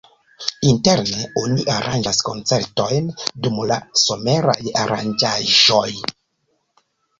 Interne oni aranĝas koncertojn dum la someraj aranĝaĵoj.